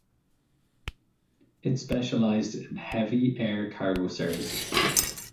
It specialised in heavy air cargo services.